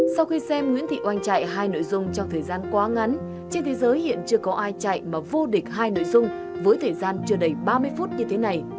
sau khi xem nguyễn thị oanh chạy hai nội dung trong thời gian quá ngắn trên thế giới hiện chưa có ai chạy mà vô địch hai nội dung với thời gian chưa đầy ba mươi phút như thế này